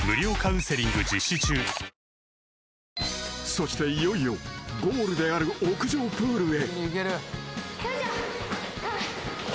［そしていよいよゴールである屋上プールへ］